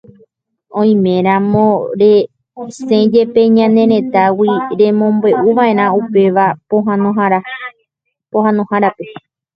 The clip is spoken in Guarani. Oiméramo resẽjepe ñane retãgui, remombe'uva'erã upéva pohãnohárape